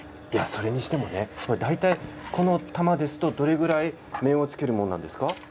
それにしても大体、この玉ですとどれくらい面をつけるものですか。